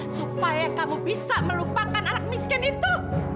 supaya kamu bisa melupakan anak miskin itu